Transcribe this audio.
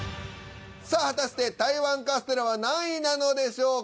さあ果たして台湾カステラは何位なのでしょうか。